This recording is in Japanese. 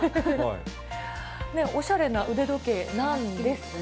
おしゃれな腕時計なんですが。